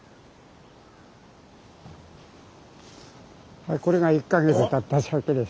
はいこれが１か月たったシャケです。